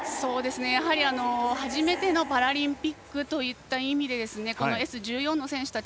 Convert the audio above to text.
やはり初めてのパラリンピックといった意味でＳ１４の選手たち